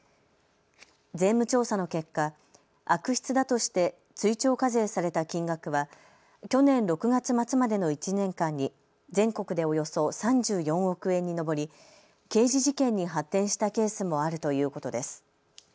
税務調査の結果、悪質だとして追徴課税された金額は去年６月末までの１年間に全国でおよそ３４億円に上り刑事事件に発展したケースもあるということです。